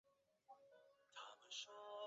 草苁蓉为列当科草苁蓉属下的一个种。